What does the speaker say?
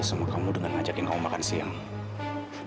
sama kamu dengan ngajakin kamu makan siang